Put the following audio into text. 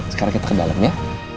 sekarang kita ke dalam ya